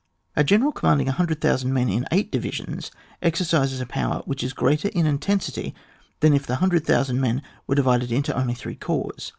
A ge neral commanding 100,000 men in eight divisions exercises a power which is greater in intensity than if the 100,000 men were divided into only three corps.